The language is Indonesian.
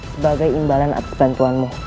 sebagai imbalan atau bantuanmu